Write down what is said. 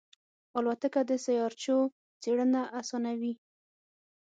الوتکه د سیارچو څېړنه آسانوي.